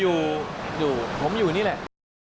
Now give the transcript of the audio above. อยู่ผมอยู่นี่แหละ